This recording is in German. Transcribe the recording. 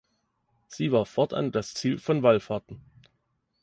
Sie war fortan das Ziel von Wallfahrten.